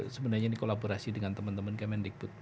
sebenarnya ini kolaborasi dengan teman teman kemendikbud